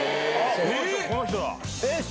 この人だ！